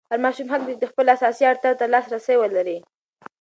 هر ماشوم حق لري چې د خپلو اساسي اړتیاوو ته لاسرسی ولري.